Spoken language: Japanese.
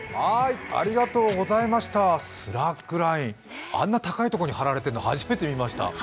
ありがとうございました、スラックライン、あんな高いところに張られているの、初めて見ました。